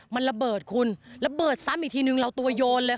มันระเบิดคุณระเบิดซ้ำอีกทีนึงเราตัวโยนเลยค่ะ